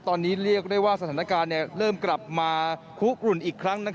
ตอนนี้เรียกได้ว่าสถานการณ์เริ่มกลับมาคุกรุ่นอีกครั้ง